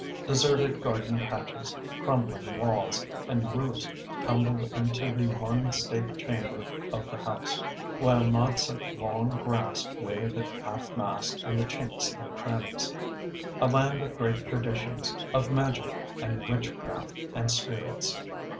Deserted garden patches, crumbling walls, and roofs tumbled into the one state chamber of the house, while knots of long grass wave at half mast in the chinks and crannies. A land of great traditions, of magic, and witchcraft, and spirits.